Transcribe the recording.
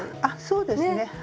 あっそうですね。